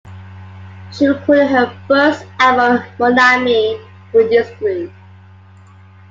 She recorded her first album, "Monami", with this group.